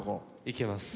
いけます。